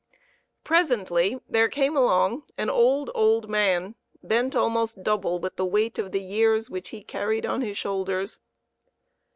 Presently there came along an old, old man, bent almost double with the weight of the years which he carried upon his shoulders.